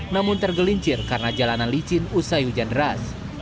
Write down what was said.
namun tergelincir karena jalanan licin usai hujan deras